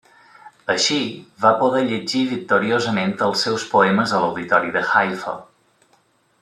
Així, va poder llegir victoriosament els seus poemes a l'auditori de Haifa.